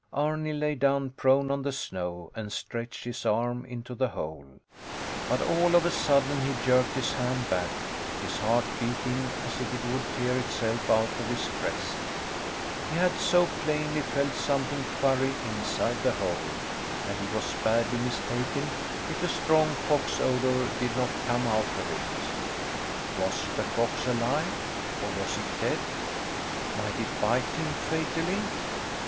Arni lay down prone on the snow and stretched his arm into the hole. But all of a sudden he jerked his hand back, his heart beating as if it would tear itself out of his breast. He had so plainly felt something furry inside the hole, and he was badly mistaken if a strong fox odour did not come out of it. Was the fox alive, or was it dead? Might it bite him fatally?